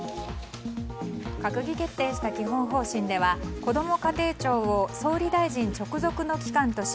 閣議決定した基本方針ではこども家庭庁を総理大臣直属の機関とし